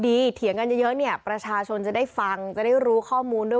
เถียงกันเยอะเนี่ยประชาชนจะได้ฟังจะได้รู้ข้อมูลด้วย